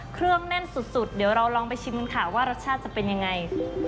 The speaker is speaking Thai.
เครื่องแน่นสุดเดี๋ยวเราลองไปชิมกันค่ะว่ารสชาติจะเป็นยังไง